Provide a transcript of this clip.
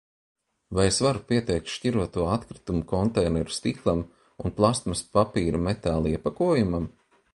Vai es varu pieteikt šķiroto atkritumu konteineru stiklam un plastmasa, papīra, metāla iepakojumam?